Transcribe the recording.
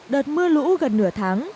đợt mưa lũ gần nửa tháng